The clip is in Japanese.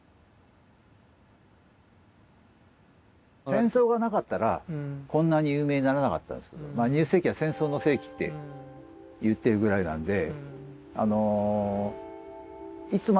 戦争がなかったらこんなに有名にならなかったんですけどまあ２０世紀は戦争の世紀って言ってるぐらいなんで。